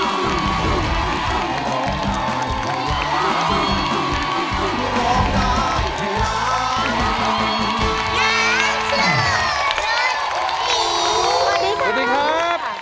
สวัสดีครับ